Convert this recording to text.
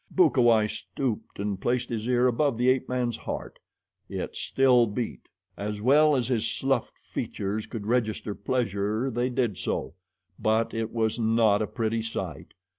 Bukawai stooped and placed his ear above the ape man's heart. It still beat. As well as his sloughed features could register pleasure they did so; but it was not a pretty sight.